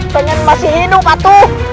pengen masih hidup atu